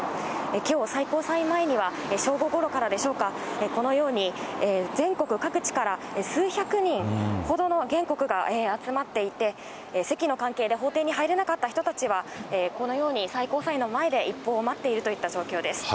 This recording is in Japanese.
きょう、最高裁前には、正午ごろからでしょうか、このように、全国各地から数百人ほどの原告が集まっていて、席の関係で法廷に入れなかった人たちは、このように最高裁の前で一報を待っているといった状況です。